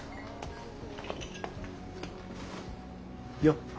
よっ。